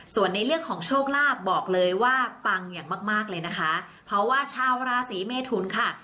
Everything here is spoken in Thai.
ส่วนในเรื่องของโชคลาภบอกเลยว่าปังอย่างมากมากเลยนะคะเพราะว่าชาวราศีเมทุนค่ะ